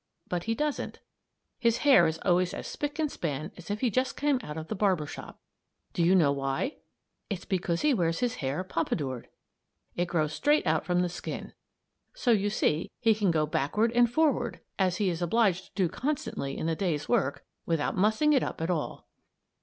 But he doesn't. His hair is always as spick and span as if he'd just come out of the barber shop. Do you know why? It's because he wears his hair pompadoured. It grows straight out from the skin. So you see he can go backward and forward as he is obliged to do constantly in the day's work without mussing it up at all.